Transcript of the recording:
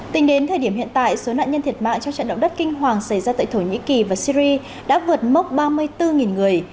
tính đến thời điểm hiện tại số nạn nhân thiệt mạng trong trận động đất kinh hoàng xảy ra tại thổ nhĩ kỳ và syri đã vượt mốc ba mươi bốn người